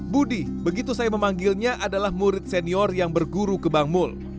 budi begitu saya memanggilnya adalah murid senior yang berguru ke bang mul